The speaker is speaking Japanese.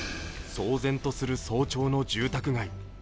騒然とする早朝の住宅街。